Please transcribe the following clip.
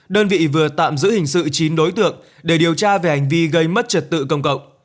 đơn vị vừa tạm giữ hình sự chín đối tượng để điều tra về hành vi gây mất trật tự công cộng